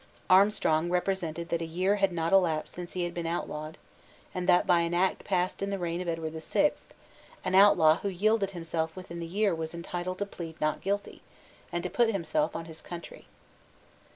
Armstrong represented that a year had not yet elapsed since he had been outlawed, and that, by an Act passed in the reign of Edward the Sixth, an outlaw who yielded himself within the year was entitled to plead Not Guilty, and to put himself on his country.